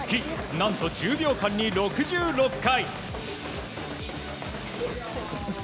何と、１０秒間に６６回。